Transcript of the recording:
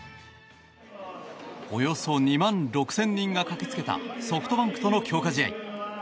およそ２万６０００人が駆けつけたソフトバンクとの強化試合。